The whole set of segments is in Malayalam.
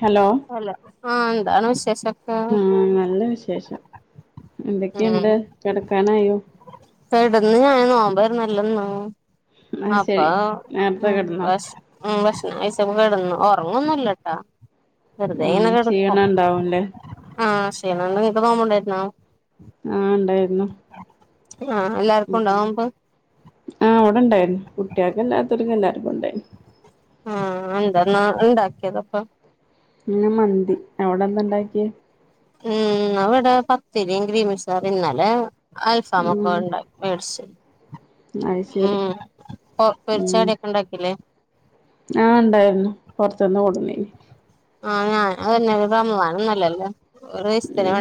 ഹലോ ഹെലോ ആഹ്‌ എന്താണ് വിശേഷൊക്കേ? ആഹ്‌ നല്ല വിശേഷം, എന്തൊക്കെണ്ട് കെടക്കാനായോ? കെടന്ന് ഞാൻ നോമ്പരുന്നല്ലന്ന് അത് അപ്പ ശരി നേരത്തെ ഉം കിടന്നോ പശ് ഉം ഭക്ഷണം കഴിച്ചക്കെ കെടന്ന് ഒർങ്ങൊന്നല്ലട്ടാ. വെറുതെ ഉം ഇങ്ങനെ കെടക്കും, ക്ഷീണം ഉണ്ടാവുംല്ലേ ആഹ്‌ ക്ഷീണണ്ട്ങ്ങക്ക് നോമ്പ്ണ്ടായിരു ന്നോ? ആഹ് ണ്ടായിരുന്നു. ആഹ് എല്ലാർക്കും ഉണ്ടോ ഉം നോമ്പ് ആഹ് വടെണ്ടായിരുന്നു. കുട്ട്യാക്കല്ലാതോൽക്ക് എല്ലാർക്കും ഇണ്ടായിരുന്നു. ആഹ്‌ അന്താന്നാ ഇണ്ടാക്കിയതപ്പം. ഇന്ന് മന്തി, അവിടെന്താ ണ്ടാക്കിയെ ഉം ന്ന് വടെ പത്തിരിം ഗ്രീൻപിസ് കറി ഇന്നലെ ഉം അൽഫാമൊക്കെവടെണ്ടാ മേടിച്ചു അത് ശരി ഊം. ഒർപൊരിച്ചാടിക്കെ ണ്ടാക്കില്ലേ? ആഹ്‌ ണ്ടായിരുന്നു. പൊർത്ത്ന്ന് കൊട് ന്നീനി ആ ഞാ [unintelligible] വന്ന്ലല്ലേ? ഒറീസ് ഉം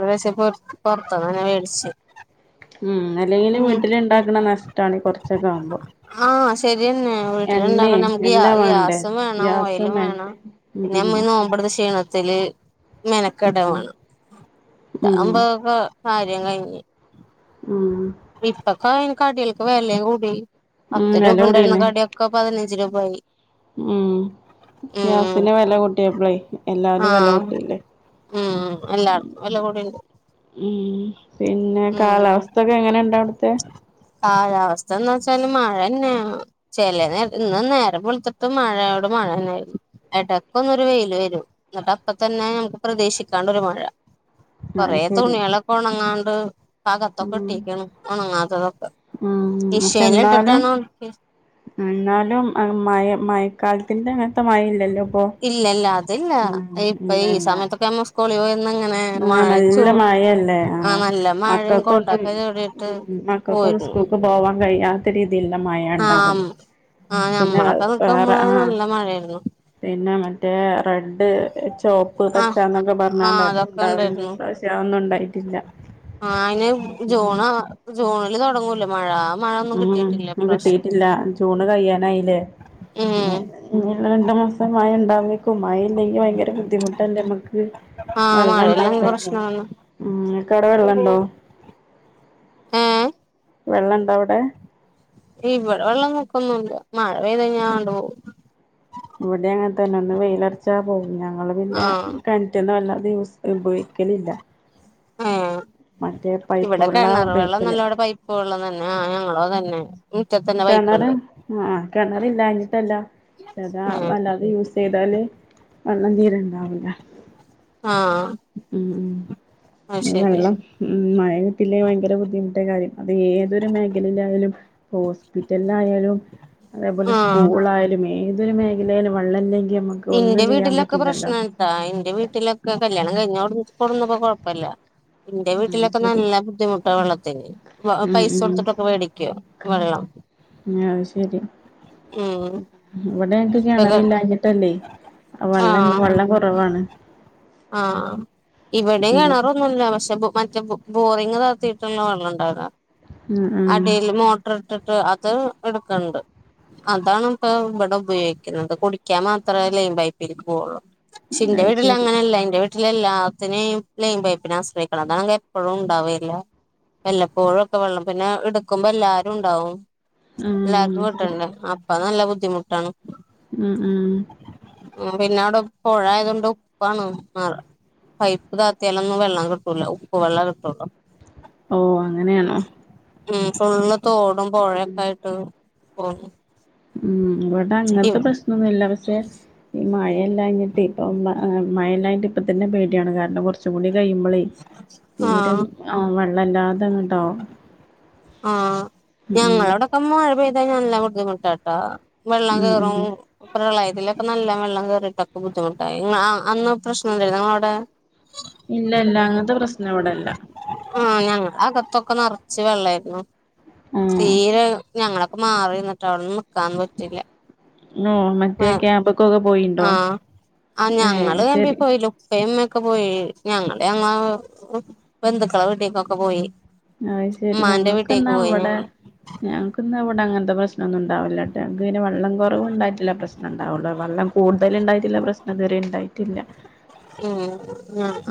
[unintelligible] പൊർത്തൊ അങ്ങനെ വേടിച്ച്. ഉം. അല്ലെങ്കിലും വീട്ടില്ണ്ടാക്ക്ണ നഷ്ടണി കൊർച്ചൊക്കാവുമ്പോ. ആഹ് ശരിയന്നെ. വീട്ടിലുണ്ടാക്കാൻ നമുക്ക് ഗ്യാ എല്ലാം വേണ്ടേ ഗ്യാസും വേണം ഓയിലും ഗ്യാസും വേണം എണ്ണയും പിന്നെ ഉം നമ്മ ഉം ഈ നോമ്പെടുത്ത ക്ഷീണത്തില് ഉം മെനക്കേടുമാണ് ഉം ഇതാവുമ്പം കോ കാര്യം കഴിഞ്ഞ്. ഉം. ഇപ്പൊക്കെ അയ്ന് കടികൾക്ക് വെലേം കൂടി ഉം പത്ത് വെല രൂപ ഉണ്ടായിരുന്ന കൂടീണ് കടിയൊക് ഒക്ക പതിനഞ്ച് രൂപായി. ഉം. ഉം ഗ്യാസിനെ വെല കൂട്ടിയപ്പ്ളെ എല്ലാരും ആഹ് വെലകൂട്ടിയില്ലേ? ഉം എല്ലാർകും വെലകൂടീണ്ട്. ഉം പിന്നെ കാലാവസ്ഥയൊക്കെ എങ്ങനേണ്ടവിടത്തെ? കാലാവസ്ഥ എന്ന് വച്ചാല് മഴന്നെയാ ചെലേ നേരത്ത് ഇന്ന് നേരം വെള്ത്തിട്ട് മഴയോട് മഴന്നാര്ന്നു. എടക്കൊന്നൊര് വെയില്‌വരും എന്ന്ട്ടപ്പതന്നെ ഞമുക്ക് പ്രതീശിക്കാണ്ടൊരു മഴ. കൊറെ അത് ശരി തുണികളൊക്കെ ഉണങ്ങാണ്ട് ഇപ്പകത്തൊക്കെ ഉം ഇട്ടിക്കാണ് ഉണങ്ങാത്തതൊക് ഉം പക്ഷെ എന്നാലും ഒണക്കി എന്നാലും മയേ മയ കാലത്തിന്റെ അങ്ങനത്തെ മഴയില്ലല്ലോ ഇപ്പൊ ഇല്ലല്ല അതില്ല ഉം ഇപ്പൊ ഈ [unintelligible] എന്താ സമയത്തൊക്കെ നമ്മ സ്കൂളിൽ പോയിര്ന്ന് ഇങ്ങനെ ആഹ് മഴ ചൂ നല്ല മഴല്ലേ ആ ആഹ് നല്ല മഴയും മക്കൾക്കൊന്നും കൊടൊക്കെ ചൂടിയിട്ട് ക്കക്കൊന്ന് പോയിരുന്നു സ്കൂൾക്ക് പോവാൻ കഴിയാ ത്ത രീതിൽള്ള മഴയാ ആഹ് ഇണ്ടാവല് ആഹ് പിന്നെ ഞമ്മളൊക്കെ നിക്കുമ്പോ വേറെ ആഹ് നല്ല മഴയായിരുന്നു പിന്നെ മറ്റേ റെഡ്, ചോപ്പ്, പച്ച ആഹ് എന്നൊക്കെ പറഞ്ഞാണ്ട് ആഹ് അതും അതൊക്കെ ഉണ്ടാവല് ഉണ്ടായിരുന്നു പക്ഷേ അതൊന്നും ഉണ്ടായിട്ടില്ല. ആഹ് അയിന് ഉം ജൂൺ ജൂണില് തുടങ്ങൂലേ മഴ. മഴ ഒന്നും ഉം. കിട്ടിയിട്ടില്ല ഇപ്രാവശ്യം കിട്ടീട്ടില്ല ജൂണ് കഴിയാനായിലെ. ഉം. ഇനീള്ള രണ്ടു മാസം മഴ ഉണ്ടാവേക്കും മഴ ഇല്ലെങ്കി ഭയങ്കര ബുദ്ധിമുട്ടല്ലേ മ്മക്ക്? ആഹ് മഴയില്ലെങ്കി വെള്ളംണ്ടാവല്ലല്ലോ പ്രശ്നാണ് ഉം ഇങ്ങക്കവടെ വെള്ളം ഇണ്ടോ? ഏഹ് വെള്ളംണ്ടോ അവടെ? ഇവടെ വെള്ളം പൊക്കൊന്നല്ല മഴ പെയ്താ ഞാ അങ്ങട് പോകും. ഇവിടെ അങ്ങനെ തന്നെ ഒന്ന് വെയിയിലറച്ചാ പോകും ഞങ്ങള് പിന്നെ ആഹ് ഉം കെൻറ്റ്ന്ന് വല്ലാതെ യൂസ് ഉപയോഗിക്കലില്ല ഏഹ് മറ്റേ പൈപ്പ് വെള്ളാ ഉപയോഗിക്കല്. സ്കൂള്ന്നന്നെ ആഹ് ഞങ്ങളും അതന്നെ. മുറ്റത്തന്നെ കിണറ് പൈപ്പ്ണ്ട് ആ കിണർ ഇല്ലാഞ്ഞിട്ടല്ല ക്ഷെഅതാ ഉം വല്ലാതെ യൂസ് ചെയ്താല് വെള്ളം തീരെ ണ്ടാവൂല്ല. ആഹ് ഉം അത് ഉം ശരി വെള്ളം ഉം മഴയത്തില്ലേ ഭയങ്കര ബുദ്ധിമുട്ടാ കാര്യം അത് ഏതൊരു മേഖലയിലായാലും ഹോസ്പിറ്റലിലായാലും, അതേപോലെ ആഹ് സ്കൂൾ ആയാലും, ഏതൊരു മേഖലയിലും വെള്ളംല്ലെങ്കി അമ്മക്ക് ഒന്നും ചെയ്യാൻ പറ്റില്ലല്ലോ? ദാ എന്റെ വീട്ടിലൊക്കെ കല്യാണം കഴിഞ്ഞോടന്ന് കൊടന്നപ്പോ കൊഴപ്പില്ല ഇന്റെ ആഹ് വീട്ടിലൊക്കെ ശരി നല്ല ബുദ്ധിമുട്ടാ വെള്ളത്തിന് ഉം പൈസ ഉം കൊടുത്തിട്ടൊക്കെ വേടിക്കുവ വെള്ളം ആഹ് ശരി ഉം അത് ഴിഞ്ഞിട്ടല്ലേ വെള്ളം വെള്ളം കുറവാണ് ആഹ് ഇവിടെ ഉം കിണറൊന്നൂല്ല പക്ഷെ മറ്റേ പ് ബോറിങ് താത്തിട്ടുള്ള വെള്ളം ഉണ്ടാവുക ഉം ഉം അടീൽ മോട് ട്ടറിട്ടിട്ട് അത് എടുക്കണ്ട് അതാണിപ്പം ഇവിടെ ഉപയോഗിക്കുന്നത് കുടിക്കാൻ മാത് ത്രേ ലൈൻ പൈപ്പിലേക്ക് പോവുള്ളൂ പക്ഷെ ഇന്റെ അത് ശരി വീട്ടിലങ്ങനല്ല ഇന്റെ വീട് ട്ടിലെല്ലാത്തിനേം ലൈൻ പൈപ്പിനാശ്രയിക്കണം അതാണെങ്കി എപ്പഴും ഉണ്ടാവേല്ല വല്ലപ്പോഴുംക്കെ വെള്ളം പിന്നെ എടുക്കുമ്പോ എല്ലാരും ഉണ്ടാവും ആഹ് എല്ലാർക്കും ശരി കിട്ടണ്ടേ അപ്പ നല്ല ബുദ്ധിമുട്ടാണ് ഉം ഉം ആ പിന്നെ അവിടെ പുഴ ആയത് കൊണ്ട് ഉപ്പാണ് മാറ പൈപ്പ് താത്തി ആലൊന്നും വെള്ളം കിട്ടൂല ഉപ്പ് വെള്ളം കിട്ടുള്ളൂ ഓ അങ്ങനെയാണോ ഉം ഫുള്ള് തോടും പുഴയൊക്കെ ആയിട്ട് ഓ ഉം ഇവടെ അങ്ങനത്തെ പ്രശ്നം ഒന്നുല്ല പക്ഷെ ഈ മഴയല്ല കഞ്ഞിട്ട് ഇപ്പ മഴയല്ലഞ്ഞിട്ട് ഇപ്പ തന്നെ പേടിയാണ് കാരണം കുറച്ചും കൂടി കഴിയുമ്പോളേ തീരം ആഹ് ആ വെള്ളല്ലാതെ ഇങ്ങട്ടാവും ആഹ് ഞങ്ങളെ ഇവടൊക്കെ മഴ പെയ്ത നല്ല ബുദ്ധിമുട്ടാട്ടോ വെള്ളം ഉം ഉം കേറും പ്രളത്തിലൊക്കെ നല്ല വെള്ളം കയറിയിട്ടൊക്കെ ബുദ്ധിമുട്ടായി അന്ന് പ്രശ്ം എന്തും നിങ്ങളവിടെ ഇല്ല ഇല്ല അങ്ങനത്തെ പ്രശ്നം ഇവിടെല്ല ആഹ് ഞങ്ങ അകത്തൊക്കെ നർച്ച് വെള്ളയിരുന്നു ആഹ് തീരെ ഞങ്ങളെ മാറി നിന്നിട്ട് അവിടുന്ന് നിക്കാൻ പറ്റില്ല ഓ മറ്റേ ആഹ് ക്യാബക്കൊക്കെ പോയിണ്ടോ ആഹ് ഏ ശരി [unintelligible] ഒക്കെ പോയി ഞങ്ങള് ഞങ്ങ ബന്ധുക്കളെ വീട്ടിലക്കൊക്കെ പോയി അഹ് ശരി ഉമ്മാന്റെ വീട്ടിലേക്ക് ഞങ്ങൾക്ക്ന്താ പോയി ഇവിടെ ഞങ്ങള് ഞങ്ങൾക്ക് ഇന്ന് അവിടെ അങ്ങനത്തെ പ്രശ്ന ഒന്നും ഉണ്ടാവില്ലോട്ടെങ്ങനെ വെള്ളം കുറവ് ഉണ്ടായിട്ട്ല്ല പ്രശ്നം ണ്ടാവുള്ള വെള്ളം കൂടുതൽ ഉണ്ടായിട്ട്ല്ല പ്രശ്നം ഇത് വരെ ഉണ്ടായിട്ടില്ല ഉം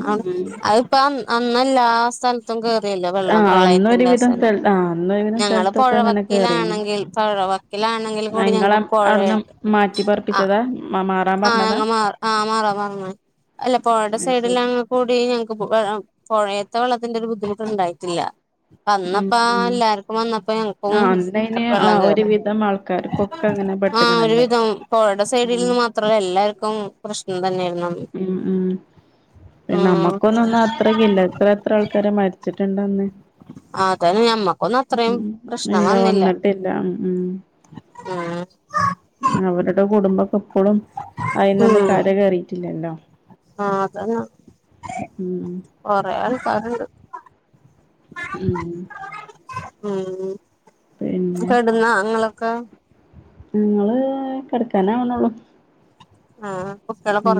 ഉം അതിപ്പ അന്നല്ല ആ സ്ഥല ത്തും കേറില്ലെ വെള്ളം ആഹ് പ്രളയത്തിന്റെ അന്നൊരുവിധം അവസാനം സ്ഥല ആഹ് അന്നൊരുവിധം ഞങ്ങള് സ്ഥലത്തൊക്കെ അങ്ങനെ കേറീന് പുഴവക്കീലാണെങ്കിൽ പുഴ ക്കിലാണെങ്കിൽ ആഹ് കൂടി ഇങ്ങളെ ഞങ്ങക്ക് പോഴ അവിടുന്ന് മാറ്റി ആ പാർപ്പിച്ചതാ മാറാൻ ആഹ് പറഞ്ഞതാ ഞ മാറ ആ മാറാം പറഞ്ഞ് അല്ല പുഴയുടെ അത് ശരി സൈഡ്ലാ കൂടി ഞങ്ങക്ക് പുഴേത്ത വെള്ളത്തിന്റെ ഒരു ബുദ്ധിമുട്ട് ഉണ്ടായിട്ടില്ല ഉം വന്നപ്പ ഉം എല്ലാർക്കും വന്നപ്പോ ഞങ്ങക്കും ആഹ് അന്നയ്ന് വെള്ളം ആഹ് കേറി ഒരുവിധം ആൾക്കാർക്കൊക്കെ അങ്ങനെ ആഹ് പെട്ട്ക്കണല്ലോ ഒരുവിധം പുഴയുടെ സൈഡിൽ ഉം നിന്ന് മാത്രല്ല എല്ലാർക്കും പ്രശ്നം തന്നെയ ന പി നമ്മക്കൊന്ന ഒന്നും അത്രക്ക ഇല്ല ഇത്ര എത്ര ആൾക്കാരെ മരിച്ചിട്ടുണ്ടന്ന് ആതെ ഞമ്മക്കൊന്നും അത്രയും ഉം പ്രശ്നം ഇല്ല വന്നില്ല വന്നിട്ടില്ല ഉം ഉം ഉം അവരുടെ കുടുംബക്കെ ഇപ്പൊഴും അയിന്നൊന്ന് കര കയറിയിട്ടില്ലല്ലോ ആഹ അതന്നാ കൊറെ ആൾക്കാരുണ്ട് ഉം ഉം പിന്നെ കെടന്നാ ഇങ്ങളൊക്കെ ഞങ്ങള് കിടക്കാനാവ്ണള്ളു ആഹ ഉം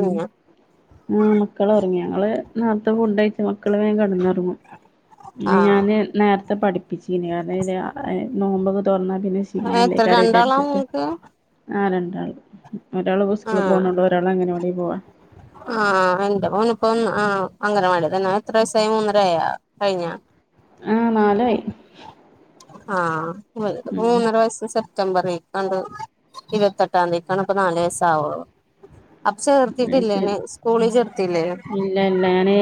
ആ മക്കള ഉറങ്ങി ഞങ്ങള് നേരത്തെ ഫുഡ് കഴിച്ച് മക്കള് വേഗം കിടന്നുറങ്ങും ആഹ് ഞാന് നേരത്തെ പഠിപ്പിച്ചിനി അതായത് നോമ്പൊ ഒക്കെ തുറന്നു പിന്നെ എത്ര ക്ഷീണല്ലെയ്ക്കാരം ഒക്കെ രണ്ടാളാ വിചിരിച്ചിട്ടു നിങ്ങക്ക് ആ രണ്ടാള് ഒരാള് സ്കൂളി ആഹ് പോണുണ്ട് [unintelligible] പോവാ? ആഹ് എന്റെ മോൻ ഇപ്പോ ഒന്ന് ആ അംഗനവാടിതന്ന എത്ര വയസായി മൂന്നര ആയോ കഴിഞ്ഞോ ആ നാലായി ആഹ് ഇവൻക്ക് ഉം മൂന്നര വയസ് തംബർ ഇക്കണ്ട് ഇരുപത്തെട്ടാന്തികേകാണ്പ്പം നാല് വയസ്സാവുള്ളു. അപ്പൊ അത് ശരി ചേർത്തിട്ടില്ലേന് സ്കൂളി ചേർത്തില്ലേ ഇല്ല ഇല്ല ഞാന്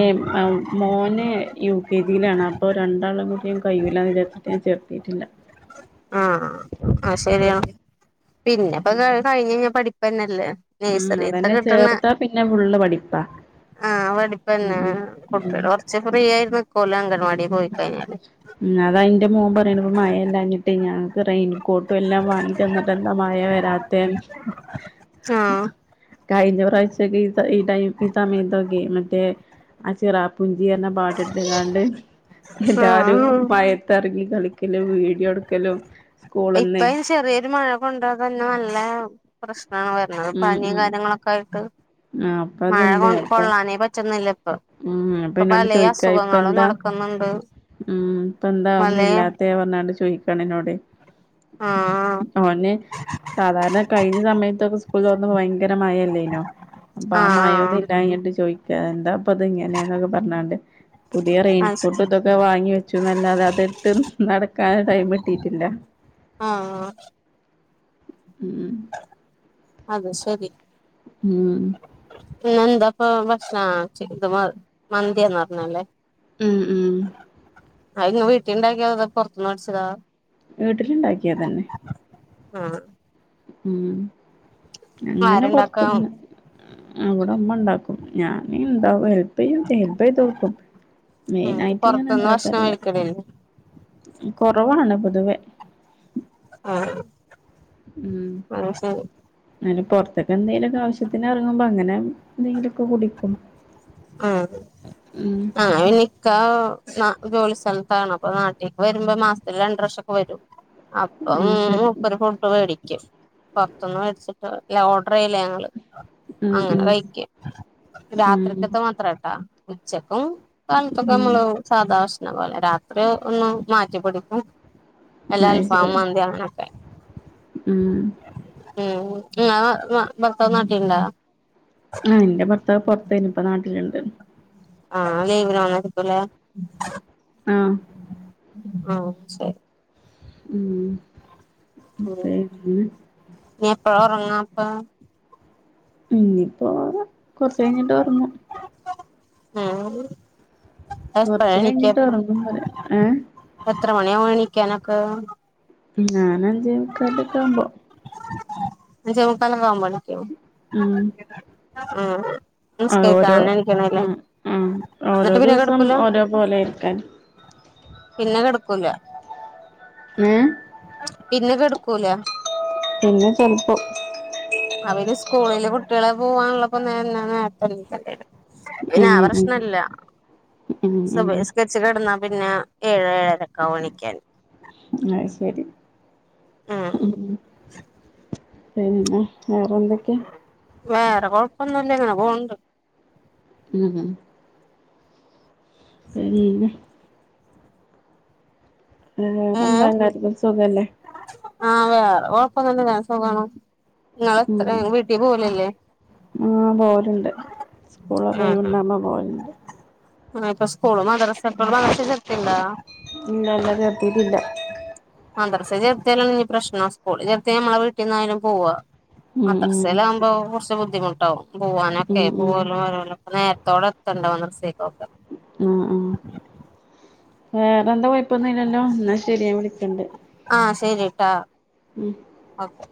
മോന് യു കെ ജിയിലാണ് അപ്പോ രണ്ടാളും കൂടു കയുലാ എന്ന് വിചാരിച്ചിട്ട് ഞാന്‍ ചേർത്തിട്ടില്ല ആ ആ ശരിയാ പിന്നെപ്പൊ കഴി കഴിഞ്ഞ് പഠിപ്പ് തന്നല്ലേ ഉം അതന്നെ ചേർത്താ പിന്നെ ഫുള്ള് പഠിപ്പാ ആഹ് ഉം പഠിപ്പന്നെ ഉം ഉം കുട്ടികള് കുറച്ച് ഫ്രീ ആയി നിക്കുവല്ലേ ഉം അംഗനവാടി ഉം പോയിക്കഴിഞ്ഞാ ഉം അത ന്റെ മോൻ പറയണ പ്പം മഴയില്ലഞ്ഞിട്ടെ ഞങ്ങൾക്ക് റെയ്ന് ക്കോട്ടും എല്ലാം വാങ്ങി തന്നിട്ട് എന്താ മഴ വരാത്തെന്ന് ആഹ് കഴിഞ്ഞ പ്രാവശ്യക്കെ ഈ ടൈ ഈ സമയത്തൊക്കെ മറ്റേ ആ ചിറാപ്പുഞ്ചി എന്ന പാട്ട് ഇട്ടു കാണ്ട് എല്ലാരും ആഹ് ഭയ റങ്ങി കളിക്കലും വീഡിയോ എടുക്കലും സ്കൂള്ന്നേ ഇപ്പന് ചെറിയൊരു മഴ കൊണ്ട തന്നെ നല്ല പ്രശ്നമാണ് വരണത് ഉം പനിയും ഉം കാര്യങ്ങളൊക്കെ യിട്ട് ആഹ് അപ്പ മഴ അത്ണ്ട് കൊ അപ്പൊ കൊള്ളാനേ പറ്റുന്നില്ല ഉം അപ്പൊ ഇപ്പൊ എന്നോട് പല ചോയിക്കാ ഇപ്പ അസുഖങ്ങളും എന്താ നടക്കുന്നുണ്ട് ഉം ഇപ്പ എന്താന്നും പലേ ഇല്ലാത്തെ പറഞ്ഞാണ്ട് ചോദിക്കും പെണ്ണിനോട് ആഹ് അവനെ സാധാരണ കഴിഞ്ഞ സമയത്തൊക്കെ സ് സ്കൂള് തുറന്ന ഭയങ്കര മഴല്ലേനോ അപ്പൊ ആ മഴൊന്നും ആഹ് ഇല്ലഞ്ഞിട്ട് ചോദിക്കാന്നെ ഇപ്പത് ഇങ്ങനെയ ന്നൊക്കെ പറഞ്ഞാണ്ട് പുതിയ ആഹ് ആഹ് അത് ശരി റെയിൻകോട്ട് ഇതൊക്കെ വാങ്ങി വെച്ചു എന്നല്ലാതെ അതി ഇട്ട് നടക്കാൻ ടൈം കിട്ടിയിട്ടില്ല ആ ആ ഉം അത് ശരി ഉം പിന്ന എന്താപ്പൊ ഭക്ഷണ ചത് മന്തിന്ന് പറഞ്ഞല്ലേ ഉം ഉം അ ഇങ് വീട്ടിണ്ടാക്കിയ അത് പൊറത്ത്ന്നടിച്ചതാ? വീട്ടിലുണ്ടാക്കിയത് തന്നെ ആഹ് ഉം അങ്ങനെ ആരുണ്ടാക്കാ പൊറത്തന്ന് അവടമ്മ ഉണ്ടാക്കും ഞാൻ ഇന്താവും ഹെൽപ് ചെയ്യും ഹെൽപ് ചെയ്ത് കൊടുക്കും മെയിൻ ഉം ആയിട്ട് ഞാൻ പൊറത്തുന്ന് ഭക്ഷണം ഉണ്ടാക്കാറില്ല കഴിക്കലില്ലേ കുറവാണ് പൊതുവെ ആഹ് ഉം അത് ശരി അ പുറത്തൊക്കെ എന്തെങ്കിലുംനൊക്കെ ആവശ്യത്തിന് ഇറങ്ങുമ്പോ അങ്ങനെ എന്തെങ്കിലുമൊക്കെ കുടിക്കും ആ ഉം ആ [unintelligible] ക്ക ജോലി സ്ഥലത്താണ് അപ്പൊ നാട്ടിക്ക് വരുമ്പോ മാസത്തില് രണ്ട് പ്രാവശ്യ ഒക്കെ വരും അപ്പം ആ ശരി മൂപ്പരു ഫുട്ട് മേടിക്കും പുറത്തൊന്നു മേടിച്ചിട്ട് അല്ല ഓർഡർ ചെയ്യില്ല ഞങ്ങള് ഉം അങ്ങനെ ഉം കഴിക്കും ഉം രാത്രിത്തെ ത്രഡ്ഡ ഉച്ചക്കും കാലത്തും ഒക്കെ ഉം നമ്മള് സാദാ ഭക്ഷണം പോലെ രാത്രി ഒന്ന് മാറ്റി പിടിക്കും വല്ല അത് അൽഫാം ശരി മന്തി അങ്ങനെക്കെ ഉം ഉം ങ്ങളെ ഭർത്താവ്നാട്ടിലുണ്ടോ? ആ എന്റെ ഭർത്താവ് പുറത്തേനി ഇപ്പോ നാട്ടിലുണ്ട്. ആഹ ലീവിന്ന്നൈകുലേ. ആഹ് ഓഹ് ശരി മം ഉം അപ്പയ് [unintelligible] ഇനി എപ്പഴ എറങ്ങ അപ്പൊ ഇന്നയിപ്പോ കൊറച്ചയിഞ്ഞിട്ട് ഒറങ്ങും. ഉം എപ്പഴാ കുറച്ച് കഴിഞ്ഞിട്ട് എണീക്കാപ്പ ഉറങ്ങും പറയാം ഏഹ്. എത്ര മണിയാണിക്കാനൊക്കെ? ഞാനൻ അഞ്ചേ മൂക്കാലോക്കെ ആവുമ്പോ. അഞ്ചേമുക്കാല് ആകുമ്പോ എഴുനേക്കും? ഉം ഉം ആ നിസ്കാരിക്ക ഓരോ എനിക്കണല്ലേ ഉം ഉം ഓരോ എന്നിട്ട് പിന്ന ദിവസം കെടക്കൂലാ? ഓരോ പോലെ ആയിരിക്കാരം പിന്നെ കെട്ക്കൂല. ഏഹ്. പിന്നെ കെട്ക്കൂല. പിന്നെ ചെൽപ്പം. അവര് സ്കൂളില് കുട്ട്യളെ പോവാനുള്ളപ്പോ ന്നെ നേരത്തെണീക്കണ്ട്യരും. പിന്നാ ഉം പ്രശ്നല്ല ഉം ഉം ഉം സുബഹ് സ് കര്ച്ച് കെട്ന്നാ പിന്നെ ഏഴ ഏഴരൊക്കാവു എണിക്ക്യാൻ. അഹ് സരി ഉം പിന്ന വേറെന്തൊക്കെ. വേറെ കൊഴപ്പൊന്നുംല്ല ങ്ങനെ പോണ് ണ്ട്. ഉം. പിന്നെ. ഏഹ് വേറെന്താ എല്ലാര്ക്കും സുഖല്ലേ. ആഹ് വേറെ കൊഴപ്പം ന്ന്ല്ല ഞൻ സുഗാണ് ഉം ങ്ങെത്ര വീട്ടീ പോലല്ലേ. ആഹ് പോല്ണ്ട് സ്കൂളൊക്കെ ആഹ് ഓയ്‌വ്ണ്ടാമ്പ പോൽണ്ട്. ആഹ് പ്പ സ്കൂള് മദ്രസക മദ്രസെ ചർത്തിണ്ടാ ഇല്ല ഇല്ല ചേർത്തിട്ടില്ല മദ്രസ ചെർത്ത്യാലുഞ്ഞ് പ്രശ്നാ സ്കൂളി ചെർത്ത്യ മ്മള വീട്ടീന്നയാലും പോവ. ഉം മദ്രസ്സലാവുമ്പോ കൊർച്ച് ബുദ്ധിമുട്ടാവും. പോവാനൊക്കെ ഉം ഉം ഉം പോവലും വരാലോക്ക് നേര്ത്തോടെ എത്തണ്ടെ മദ്രസ്സെക്കൊക്കെ. ആഹ് ആഹ് വേറെന്താ കൊയ്പ്പൊന്നു ഇല്ലല്ലോ ന്നാ ശരി ഞാ വിളിക്കണ്ട്. ആഹ് ശരിട്ടാ. ഉം. ഓക്കെ.